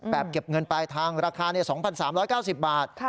แบบเก็บเงินไปทางราคา๒๓๙๐บาท